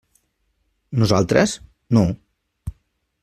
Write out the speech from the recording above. Nosaltres, no.